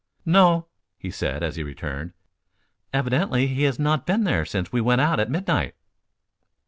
"No," he said as he returned; "evidently he has not been there since we went out at midnight."